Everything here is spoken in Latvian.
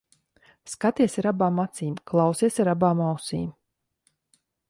Skaties ar abām acīm, klausies ar abām ausīm.